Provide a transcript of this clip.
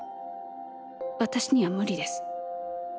私には無理です。